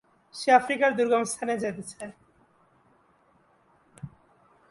সে আফ্রিকার দুর্গম স্থানে যেতে চায়।